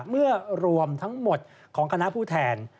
เมื่อรวมทั้งหมดของคณะผู้แทน